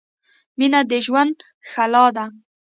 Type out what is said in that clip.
مینه د ژوند ښلا ده